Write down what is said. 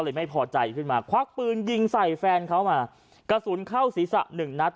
ไม่พอใจขึ้นมาควักปืนยิงใส่แฟนเขามากระสุนเข้าศีรษะหนึ่งนัด